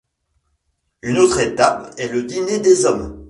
Une autre étape est le dîner des hommes.